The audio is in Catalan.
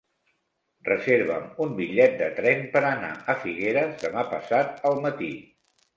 Reserva'm un bitllet de tren per anar a Figueres demà passat al matí.